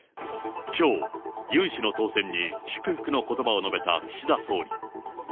きょう、ユン氏の当選に祝福のことばを述べた岸田総理。